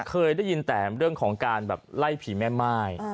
เคยได้ยินแต่เรื่องของการแบบไล่ผีแม่ม่าย